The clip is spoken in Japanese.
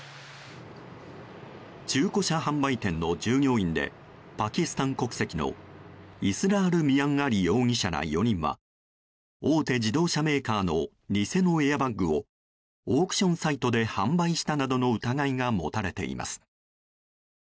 中古車販売店の従業員でパキスタン国籍のイスラール・ミアン・アリ容疑者ら４人は大手自動車メーカーの偽のエアバッグをオークションサイトなどで販売したなどの疑いが持たれています。